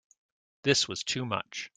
This was too much.